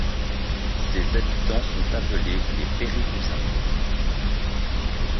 Ses habitants sont appelés les Peyregousins.